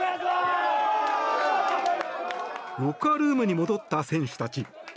ロッカールームに戻った選手たち。